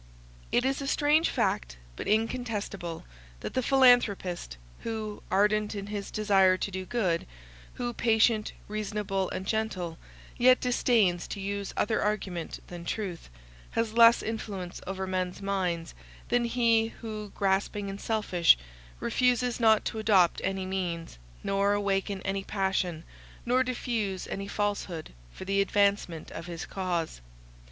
It is a strange fact, but incontestible, that the philanthropist, who ardent in his desire to do good, who patient, reasonable and gentle, yet disdains to use other argument than truth, has less influence over men's minds, than he who, grasping and selfish, refuses not to adopt any means, nor awaken any passion, nor diffuse any falsehood, for the advancement of his cause.